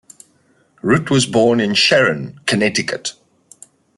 Rudd was born in Sharon, Connecticut.